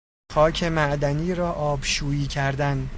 خاک معدنی را آبشویی کردن